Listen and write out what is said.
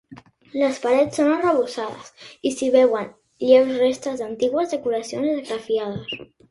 Les parets són arrebossades i s'hi veuen lleus restes d'antigues decoracions esgrafiades.